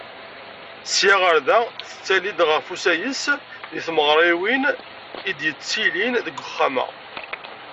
Sya ɣer da, tettali-d ɣef usayes deg tmeɣriwin i d-yettilin deg Uxxam-a.